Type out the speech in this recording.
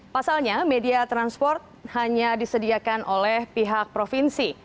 pasalnya media transport hanya disediakan oleh pihak provinsi